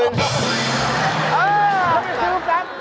เออมันเอาไปซื้อแป๊บ